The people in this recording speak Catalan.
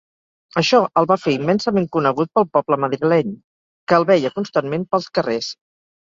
Això el va fer immensament conegut pel poble madrileny, que el veia constantment pels carrers.